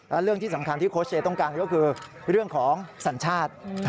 และเรื่องที่สำคัญที่โค้ชเชียร์ต้องการก็คือเรื่องของสัญชาติ